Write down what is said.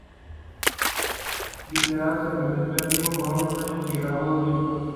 Visceral se presentó en vivo por unos años y grabó dos discos.